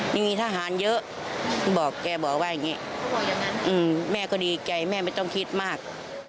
นี่มีทหารเยอะบอกแกบอกว่าอย่างนี้แม่ก็ดีใจแม่ไม่ต้องคิดมาก